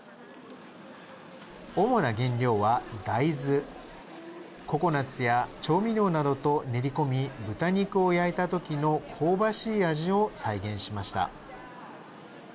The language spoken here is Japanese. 主な原料は大豆ココナツや調味料などと練り込み豚肉を焼いた時の香ばしい味を再現しました。